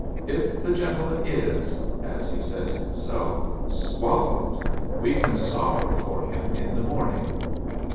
If the gentleman is (as he says himself) swallowed, we can sorrow for him in the morning."